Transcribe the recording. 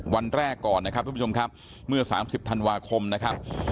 วันแรกก่อนนะครับทุกผู้ชมครับเมื่อ๓๐ธันวาคมนะครับ